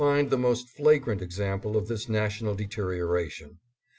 653 the most flagrant example of this national deterioration.